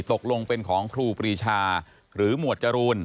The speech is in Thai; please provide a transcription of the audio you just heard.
ตกลงเป็นของครูปรีชาหรือหมวดจรูน